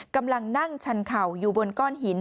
บนต่างหน้างชนเขาอยู่บนก้อนหิน